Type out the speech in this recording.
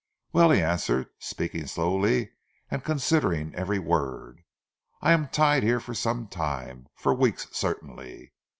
"Well," he answered, speaking slowly and considering every word, "I am tied here for some time for weeks certainly.